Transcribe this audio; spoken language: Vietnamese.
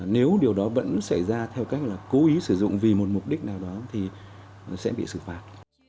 nếu điều đó vẫn xảy ra theo cách là cố ý sử dụng vì một mục đích nào đó thì sẽ bị xử phạt